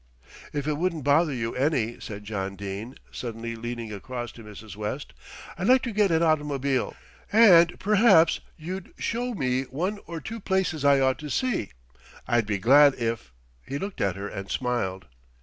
"If it wouldn't bother you any," said John Dene, suddenly leaning across to Mrs. West, "I'd like to get an automobile, and perhaps you'd show me one or two places I ought to see. I'd be glad if " He looked at her and smiled.